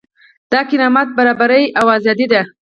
دا کرامت، برابري او ازادي ده.